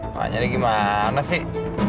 tanya deh gimana sih